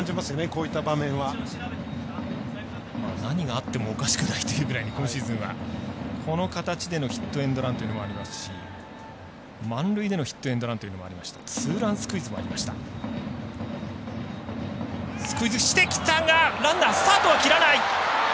こういった場面は。何があってもおかしくないというぐらい今シーズンは、この形でのヒットエンドランというのもありますし満塁でのヒットエンドランツーランスクイズもありました。